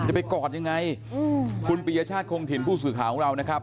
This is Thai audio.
ไปกอดยังไงอืมคุณปียชาติคงถิ่นผู้สื่อข่าวของเรานะครับ